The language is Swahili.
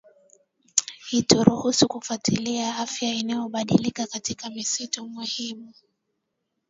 ituruhusu kufuatilia afya inayobadilika katika misitu muhimu